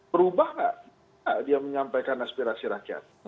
berubah nggak dia menyampaikan aspirasi rakyat